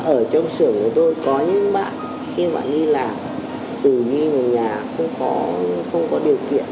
ở trong xưởng của tôi có những bạn khi bạn đi làm từ đi mà nhà không có điều kiện